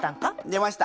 出ました。